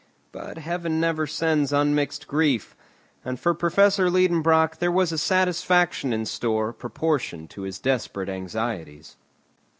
But Heaven never sends unmixed grief, and for Professor Liedenbrock there was a satisfaction in store proportioned to his desperate anxieties.